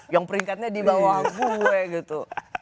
yang peringkatnya di bawah gue gitu